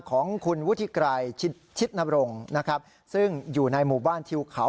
ของคุณวุฒิไกรชิดนบรงค์นะครับซึ่งอยู่ในหมู่บ้านทิวเขา